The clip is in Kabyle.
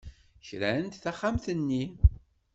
Krant taxxamt-nni.